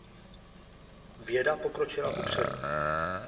Věda pokročila kupředu.